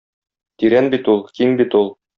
Тирән бит ул, киң бит ул.